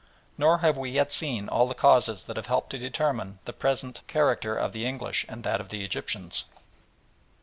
Nor have we yet seen all the causes that have helped to determine the present character of the English and that of the Egyptians.